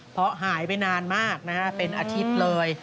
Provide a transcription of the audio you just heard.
เพราะหายไปนานมากนะฮะเป็นอาทิตย์เลย